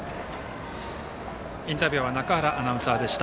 インタビュアーは中原アナウンサーでした。